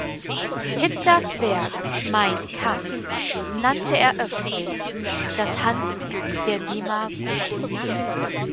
Hitlers Werk "Mein Kampf" nannte er öffentlich „das Handbuch der Demagogie“.